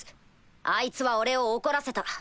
あいつは俺を怒らせた。